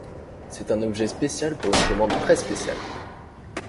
C’est un objet spécial pour une commande très spéciale.